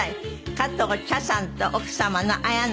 加藤茶さんと奥様の綾菜さんです。